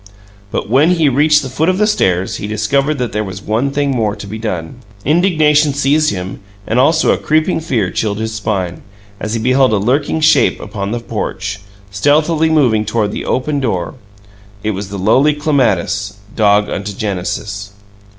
But when he reached the foot of the stairs he discovered that there was one thing more to be done. Indignation seized him, and also a creeping fear chilled his spine, as he beheld a lurking shape upon the porch, stealthily moving toward the open door. It was the lowly Clematis, dog unto Genesis.